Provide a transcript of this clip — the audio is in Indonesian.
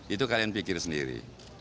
itu kalian pikir sendiri